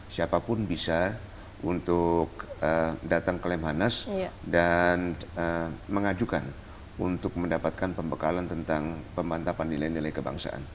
siapapun bisa untuk datang ke lemhanas dan mengajukan untuk mendapatkan pembekalan tentang pemantapan nilai nilai kebangsaan